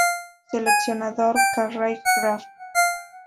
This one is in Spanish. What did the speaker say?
Seleccionador: Carrie Graf